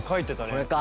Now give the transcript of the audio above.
これか。